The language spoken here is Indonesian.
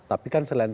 tapi kan selain